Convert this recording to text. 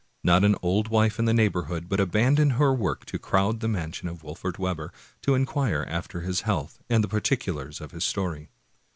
Not an old wife of the neighborhood but abandoned her work to crowd to the mansion of Wolfert Webber, to inquire after his health and the particulars of his story.